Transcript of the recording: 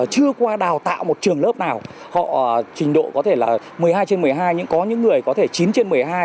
chưa qua đào tạo một trường lớp nào họ trình độ có thể là một mươi hai trên một mươi hai nhưng có những người có thể chín trên một mươi hai